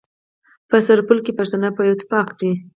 په سرپل کي پښتانه په يوه اتفاق دي.